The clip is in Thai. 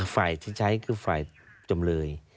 ฝ่ายที่ใช้คือฝ่ายจำเลย